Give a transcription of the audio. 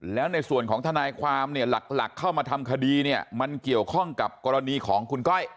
แล้วในส่วนของทนายความเนี่ยหลักเข้ามาทำคดีเนี่ยมันเกี่ยวข้องกับกรณีของคุณก้อย